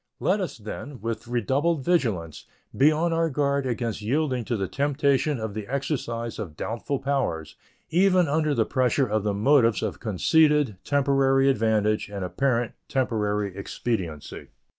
Let us, then, with redoubled vigilance, be on our guard against yielding to the temptation of the exercise of doubtful powers, even under the pressure of the motives of conceded temporary advantage and apparent temporary expediency.